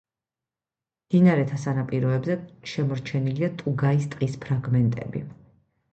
მდინარეთა სანაპიროებზე შემორჩენილია ტუგაის ტყის ფრაგმენტები.